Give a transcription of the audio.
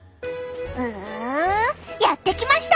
うやって来ました！